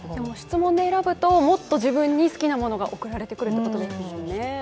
質問で選ぶともっと自分に好きなものが送られてくるということですもんね。